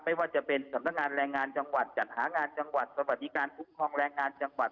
ไม่ว่าจะเป็นสำนักงานแรงงานจังหวัดจัดหางานจังหวัดสวัสดิการคุ้มครองแรงงานจังหวัด